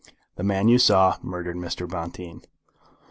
The man you saw murdered Mr. Bonteen.